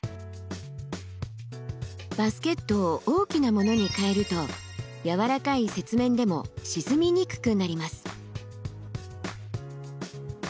バスケットを大きなものに変えるとやわらかい雪面でも沈みにくくなります。